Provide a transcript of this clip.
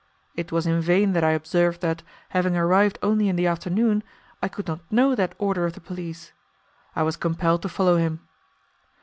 It was in vain that I observed that, having arrived only in the afternoon, I could not know that order of the police. I was compelled to follow him.